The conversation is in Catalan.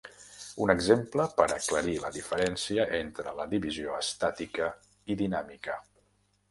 Un exemple per aclarir la diferència entre la divisió estàtica i dinàmica.